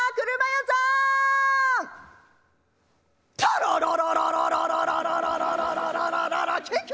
「たららららららららららららキキッ！